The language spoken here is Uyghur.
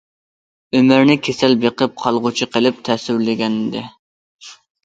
ئۆمەرنى كېسەل بېقىپ قالغۇچى قىلىپ تەسۋىرلىگەنىدى.